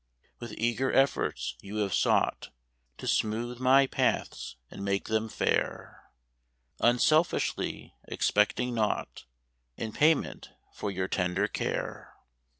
% W ITH eager efforts you Have sougkt To smootk my paths and make them fair, Unselfiskly expect 5 mg naugkt In payment for your tender care.